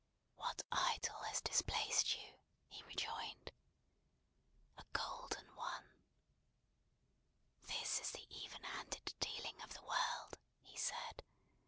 "What Idol has displaced you?" he rejoined. "A golden one." "This is the even handed dealing of the world!" he said.